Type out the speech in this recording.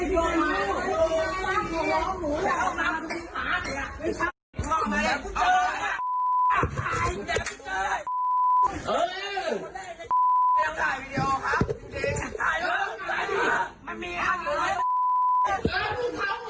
มันมีอาหารมันเข้าหัวมันเข้าหัว